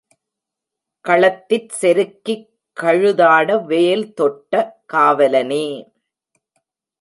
களத்திற் செருக்கிக் கழுதாட வேல்தொட்ட காவலனே!